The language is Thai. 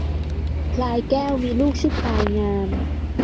พลายแก้วมีลูกชื่อพลายงาม